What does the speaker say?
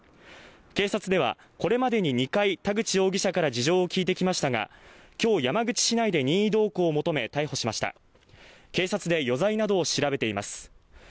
警察ではこれまでに２回、田口容疑者から事情を聴いてきましたが今日、山口市内で任意同行を求め、逮捕しました警察で余罪などを調べています。